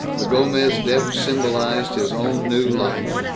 The Gomez Dep symbolized his own new life.